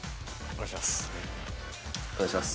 お願いします